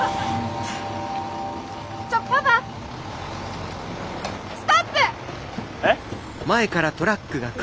ちょっパパストップ！え？